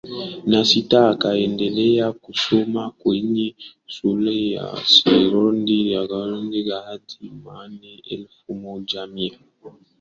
na sita Akaendelea kusoma kwenye Shule ya Sekondari Kigonsera hadi mwaka elfu moja mia